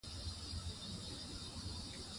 کلتور د افغانستان د سیلګرۍ برخه ده.